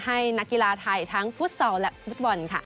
ให้นักกีฬาไทยทั้งฟุตซอลและฟุตบอลค่ะ